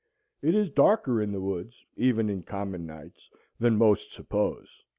It is darker in the woods, even in common nights, than most suppose.